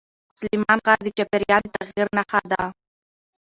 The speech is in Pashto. سلیمان غر د چاپېریال د تغیر نښه ده.